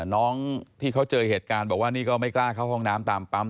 น้องที่เขาเจอเหตุการณ์บอกว่านี่ก็ไม่กล้าเข้าห้องน้ำตามปั๊ม